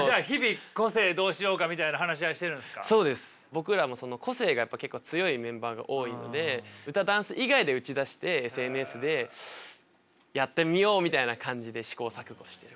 僕らも個性がやっぱ結構強いメンバーが多いので歌ダンス以外で打ち出してＳＮＳでやってみようみたいな感じで試行錯誤してる。